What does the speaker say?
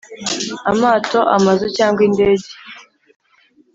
amato amazu cyangwa indege